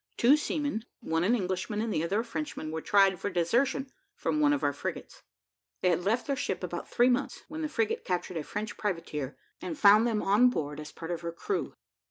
Two seamen, one an Englishman and the other a Frenchman, were tried for desertion from one of our frigates. They had left their ship about three months, when the frigate captured a French privateer, and found them on board as part of her crew.